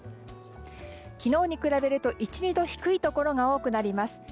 昨日に比べると、１２度低いところが多くなります。